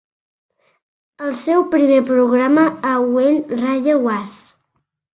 El seu primer programa a When Radio Was!